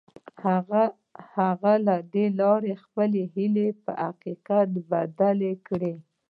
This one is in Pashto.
هغه له دې لارې خپلې هيلې په حقيقت بدلې کړې.